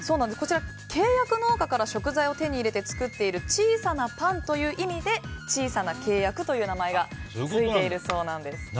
こちら契約農家から食材を手に入れて作っている小さなパンという意味で小さな契約という名前がついているそうなんです。